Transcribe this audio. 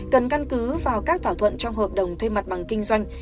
cần căn cứ vào các thỏa thuận trong hợp đồng thuê mặt bằng kinh doanh